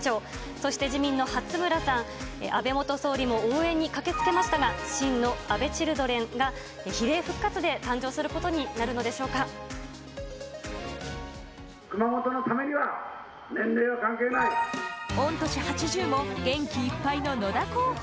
そして自民の初村さん、安倍元総理も応援に駆けつけましたが、真の安倍チルドレンが比例復活で熊本のためには、年齢は関係御年８０も、元気いっぱいの野田候補。